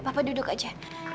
papa duduk aja